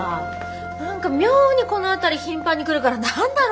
何か妙にこのあたり頻繁に来るから何だろうなって。